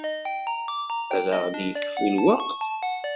Ad ɣ-d-yekfu lweqt?